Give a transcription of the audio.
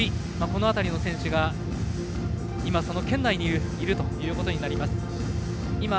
この辺りの選手が今その圏内にいることになります。